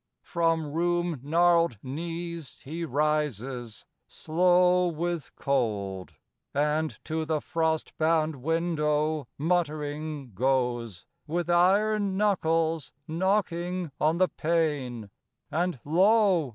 From rheum gnarled knees he rises, slow with cold, And to the frost bound window, muttering, goes, With iron knuckles knocking on the pane; And, lo!